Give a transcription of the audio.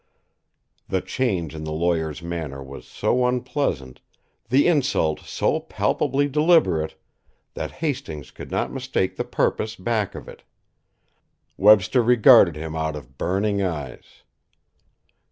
The change in the lawyer's manner was so unpleasant, the insult so palpably deliberate, that Hastings could not mistake the purpose back of it. Webster regarded him out of burning eyes.